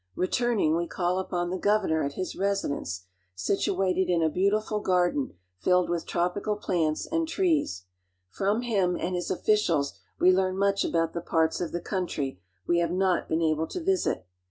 Returning, we call upon the governor ■ at his residence, situated in a beautiful garden filled with Itropical plants and trees. From him and his officials we leam much about the parts of the country we have not I dressed tn brighl colored c been able to visit.